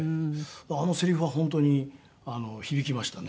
あのせりふは本当に響きましたね。